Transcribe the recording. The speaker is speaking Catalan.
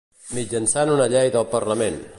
Mitjançant una Llei del Parlament.